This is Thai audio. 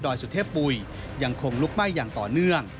สุเทพปุ๋ยยังคงลุกไหม้อย่างต่อเนื่อง